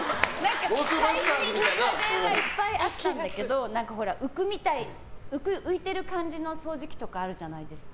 最新の家電はいっぱいあったんだけど浮いてる感じの掃除機とかあるじゃないですか。